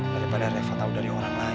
daripada reva tau dari orang lain